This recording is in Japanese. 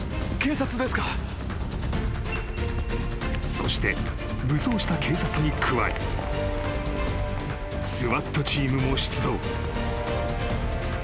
［そして武装した警察に加えＳＷＡＴチームも出動］